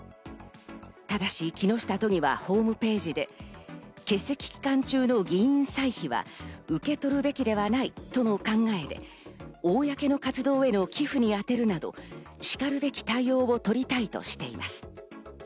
ただし木下都議はホームページで、欠席期間中の議員歳費は受け取るべきではないとの考えで、公の活動への寄付に充てるなどしかるべき対応を取りたいとしています。